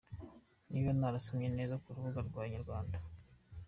Niba narasomye neza kurubuga rwa inyarwanda.